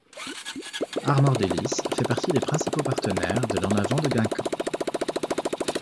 Armor Délices fait partie des principaux partenaires de l'En Avant de Guingamp.